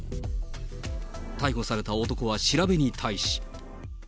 逮捕された男は調べに対し。